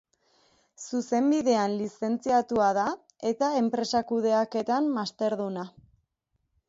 Zuzenbidean lizentziatua da eta Enpresa Kudeaketan masterduna.